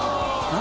何？